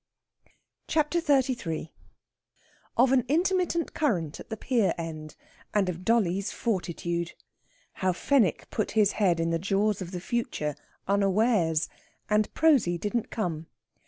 CHAPTER XXXIII OF AN INTERMITTENT CURRENT AT THE PIER END, AND OF DOLLY'S FORTITUDE. HOW FENWICK PUT HIS HEAD IN THE JAWS OF THE FUTURE UNAWARES, AND PROSY DIDN'T COME.